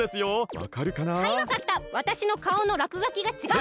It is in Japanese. わたしのかおのらくがきがちがう！